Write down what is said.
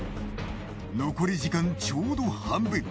残り時間ちょうど半分。